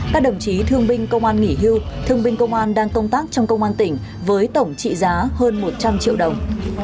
các đồng chí thương binh công an nghỉ hưu thương binh công an đang công tác trong công an tỉnh với tổng trị giá hơn một trăm linh triệu đồng